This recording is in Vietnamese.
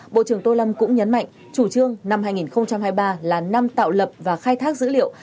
bộ trưởng tô lâm cũng nhấn mạnh chủ trương năm hai nghìn hai mươi ba là năm tạo lập và khai thác dữ liệu